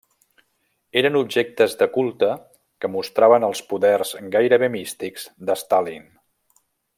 Eren objectes de culte que mostraven els poders gairebé místics de Stalin.